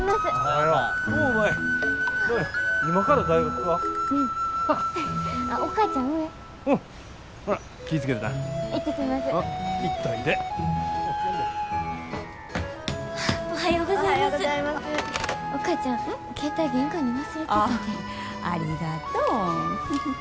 ああありがとう。